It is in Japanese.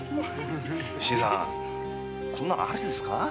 こんなのありですか？